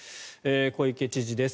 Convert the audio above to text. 小池知事です。